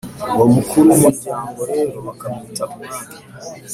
uwo mukuru w’umuryango rero bakamwita umwami.